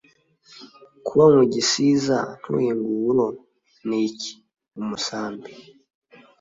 Kuba mu gisiza ntuhinge uburo ni iki ?-Umusambi.